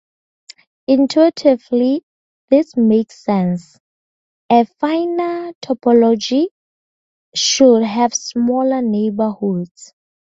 Intuitively, this makes sense: a finer topology should have smaller neighborhoods.